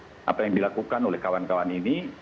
saya kira apa yang dilakukan oleh kawan kawan ini